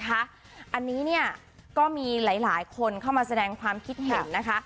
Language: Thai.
อันนี้ก็มีหลายคนเข้ามาแสดงความคิดเห็น